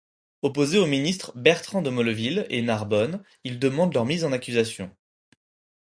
Opposé aux ministres Bertrand de Molleville et Narbonne, il demande leur mise en accusation.